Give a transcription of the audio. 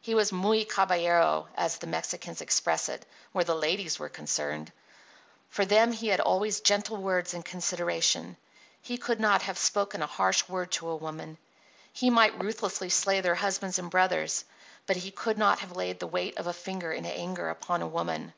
He was muy caballero, as the Mexicans express it, where the ladies were concerned. For them he had always gentle words and consideration. He could not have spoken a harsh word to a woman. He might ruthlessly slay their husbands and brothers, but he could not have laid the weight of a finger in anger upon a woman.